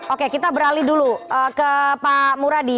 oke kita beralih dulu ke pak muradi